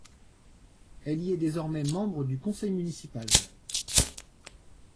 Elle y est désormais membre du conseil municipal.